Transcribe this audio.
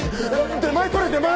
出前取れ出前！